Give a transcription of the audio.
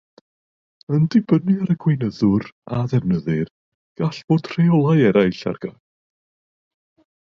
Yn dibynnu ar y gweinyddwr a ddefnyddir, gall fod rheolau eraill ar gael.